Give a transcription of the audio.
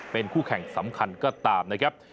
เป็นคู่แข่งสำคัญก็ตามนะครับ